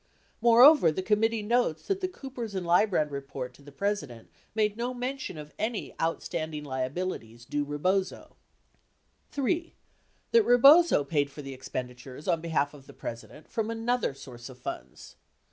Moreover, the committee notes that the Coopers & Lybrand 1071 report to the President made no mention of any outstanding liabilities due Rebozo. 3. That Rebozo paid for the expenditures on behalf of the President from another source of funds.